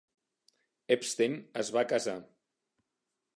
Epstein es va casar.